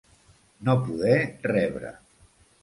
No poder rebre.